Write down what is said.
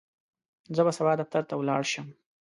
زه به سبا دفتر ته ولاړ شم.